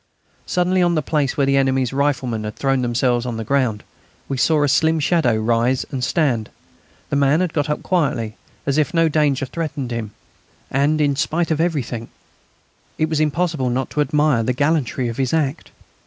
Suddenly, on the place where the enemy's riflemen had thrown themselves on the ground, we saw a slim shadow rise and stand. The man had got up quietly, as if no danger threatened him. And, in spite of everything, it was impossible not to admire the gallantry of his act.